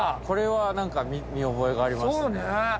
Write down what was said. これはなんか見覚えがありますね。